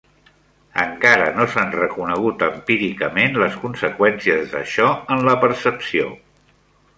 Encara no s'han reconegut empíricament les conseqüències d'això en la percepció.